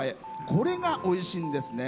これがおいしいんですね。